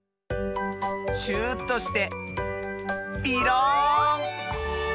シューッとしてピローン！